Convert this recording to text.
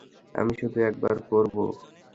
আমি শুধু একবার করব।